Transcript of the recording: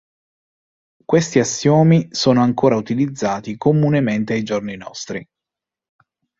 Questi assiomi sono ancora utilizzati comunemente ai giorni nostri.